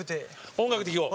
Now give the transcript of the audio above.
音楽でいこう。